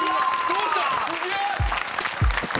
すげえ！